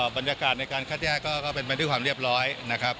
บรรยากาศในการคัดแยกก็เป็นไปด้วยความเรียบร้อยนะครับ